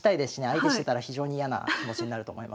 相手してたら非常に嫌な気持ちになると思いますよ。